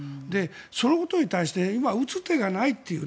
そのことに対して今、打つ手がないという